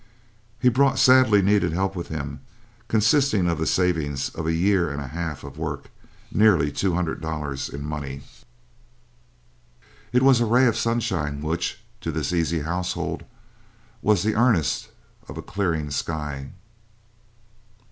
He brought sadly needed help with him, consisting of the savings of a year and a half of work nearly two hundred dollars in money. It was a ray of sunshine which (to this easy household) was the earnest of a clearing sky.